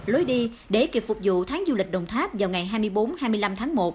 lối đi để kịp phục vụ tháng du lịch đồng tháp vào ngày hai mươi bốn hai mươi năm tháng một